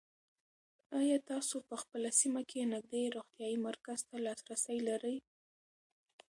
آیا تاسو په خپله سیمه کې نږدې روغتیایي مرکز ته لاسرسی لرئ؟